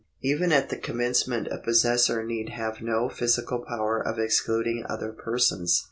Even at the commencement a possessor need have no physical power of excluding other persons.